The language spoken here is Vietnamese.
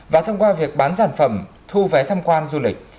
và thông qua việc bán sản phẩm thu vé tham quan du lịch